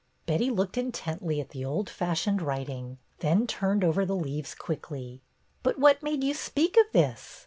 " Betty looked intently at the old fashioned writing, then turned over the leaves quickly. "But what made you speak of this?"